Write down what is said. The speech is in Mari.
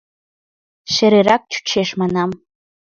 Шерырак чучеш, манам.